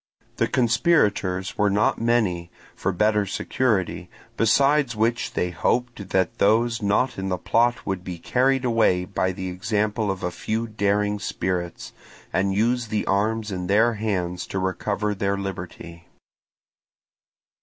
The conspirators were not many, for better security, besides which they hoped that those not in the plot would be carried away by the example of a few daring spirits, and use the arms in their hands to recover their liberty.